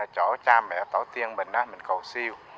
chỗ cha mẹ tổ tiên mình mình cầu siêu